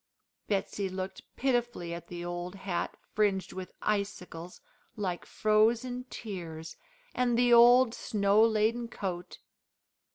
Betsey looked pitifully at the old hat fringed with icicles, like frozen tears, and the old snow laden coat.